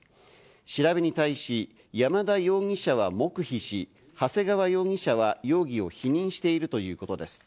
調べに対し山田容疑者は黙秘し、長谷川容疑者は容疑を否認しているということです。